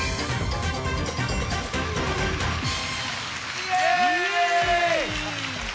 イエイ！